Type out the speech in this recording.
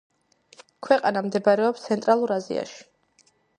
ქვეყანა მდებარეობს ცენტრალურ აზიაში.